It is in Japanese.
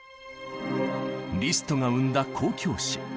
リストが生んだ「交響詩」。